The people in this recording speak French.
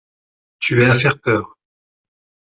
Tu es à faire peur!